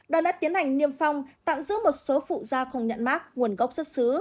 đoàn đã tiến hành niêm phong tạm giữ một số phụ gia không nhận mác nguồn gốc xuất xứ